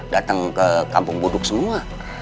dateng ke kampung bodug semua